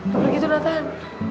gak begitu datang